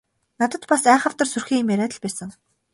Надад бас айхавтар сүрхий юм яриад л байсан.